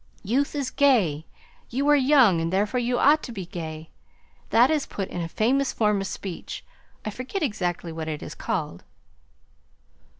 Youth is gay. You are young, and therefore you ought to be gay. That is put in a famous form of speech; I forget exactly what it is called."